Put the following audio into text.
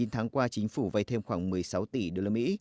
chín tháng qua chính phủ vay thêm khoảng một mươi sáu tỷ usd